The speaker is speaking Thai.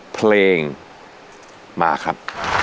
เพลงมาครับ